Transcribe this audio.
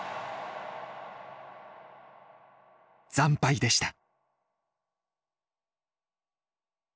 惨敗でした。